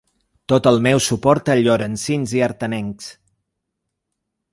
Tot el meu suport a llorencins i artanencs.